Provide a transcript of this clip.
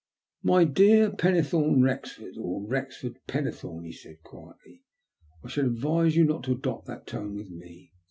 "My dear Pennethorne Wrexford, or Wrexford Pennethome," he said quietly, " I should advise you not to adopt that tone with me.